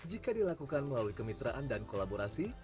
jika dilakukan melalui kemitraan dan kolaborasi